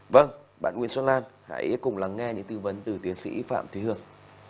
vâng bạn nguyễn xuân lan hãy cùng lắng nghe những tư vấn từ tuyến sĩ phạm thúy hương